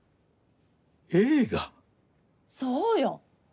そうよ。